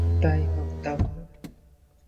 বেশ, তাই হোক তাহলে!